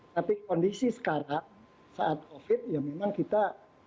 tapi kondisi sekarang saat covid ya memang kita